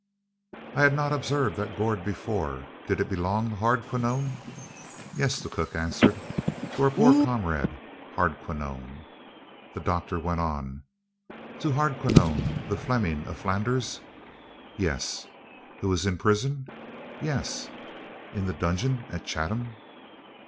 "I had not observed that gourd before; did it belong to Hardquanonne?" "Yes," the cook answered; "to our poor comrade, Hardquanonne." The doctor went on, "To Hardquanonne, the Fleming of Flanders?" "Yes." "Who is in prison?" "Yes." "In the dungeon at Chatham?"